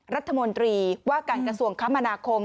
รัฐมนตรีว่าการกระทรวงคมนาคม